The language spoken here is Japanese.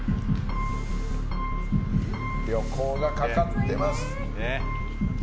旅行がかかってます。